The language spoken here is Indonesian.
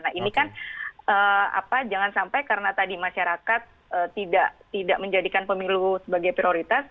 nah ini kan jangan sampai karena tadi masyarakat tidak menjadikan pemilu sebagai prioritas